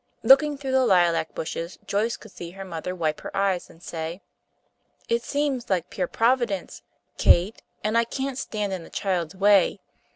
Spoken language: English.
Looking through the lilac bushes, Joyce could see her mother wipe her eyes and say, "It seems like pure providence, Kate, and I can't stand in the child's way.